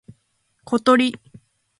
ことり